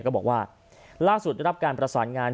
ก็บอกว่าล่าสุดได้รับการประสานงาน